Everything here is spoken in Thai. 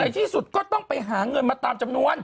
ที่สุดก็ต้องไปหาเงินมาตามจำนวน